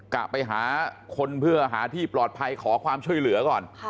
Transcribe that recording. กะไปหาคนเพื่อหาที่ปลอดภัยขอความช่วยเหลือก่อน